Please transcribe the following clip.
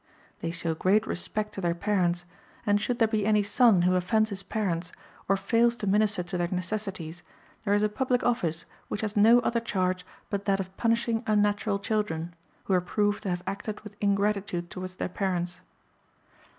* They show great respect to their parents ; and should there be any son who offends his parents, or fails to minister to their necessities, there is a public office which has no other charge but that of punishing unnatural children, who are proved to have acted with ingratitude towards their parents.